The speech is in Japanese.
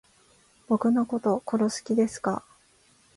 僕のこと殺す気ですか